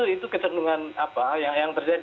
nah itu kecenderungan apa yang terjadi